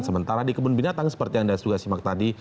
sementara di kebun binatang seperti yang anda juga simak tadi